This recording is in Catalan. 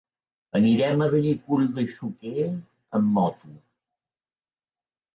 Anirem a Benicull de Xúquer amb moto.